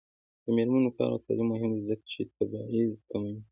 د میرمنو کار او تعلیم مهم دی ځکه چې تبعیض کموي.